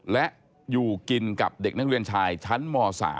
และอยู่กินกับเด็กนักเรียนชายชั้นม๓